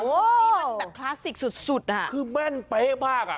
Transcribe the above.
โอ้โฮนี่มันตะคลาสสิกสุดคือแม่นไปมาก